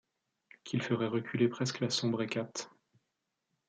Qu’il ferait reculer presque la sombre Hécate